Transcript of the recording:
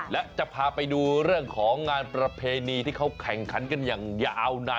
และจะพาไปดูเรื่องของงานประเพณีที่เขาแข่งขันกันอย่างยาวนาน